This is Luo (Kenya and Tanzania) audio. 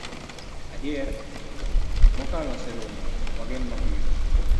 Adier, mokalo oserumo, wagen mabiro.